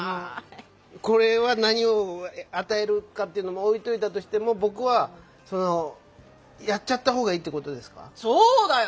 これは何を与えるかっていうのを置いといたとしても僕はそのやっちゃったほうがいいってことですか？